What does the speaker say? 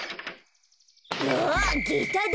あっげただ。